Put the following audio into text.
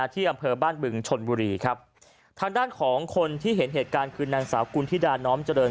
ที่อำเภอบ้านบึงชนบุรีครับทางด้านของคนที่เห็นเหตุการณ์คือนางสาวกุณฑิดาน้อมเจริญ